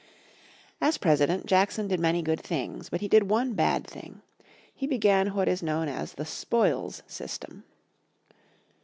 As President, Jackson did many good things. But he did one bad thing. He began what is known as the "spoils system."